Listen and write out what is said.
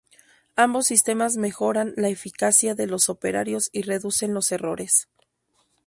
Ambos sistemas mejoran la eficacia de los operarios y reducen los errores.